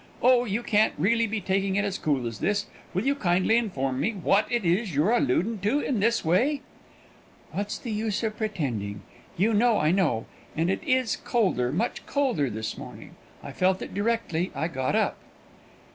"Oh, you can't reely be taking it as cool as this! Will you kindly inform me what it is you're alludin' to in this way?" "What is the use of pretending? You know I know. And it is colder, much colder, this morning. I felt it directly I got up."